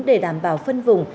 để đảm bảo phân vùng